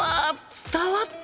伝わった！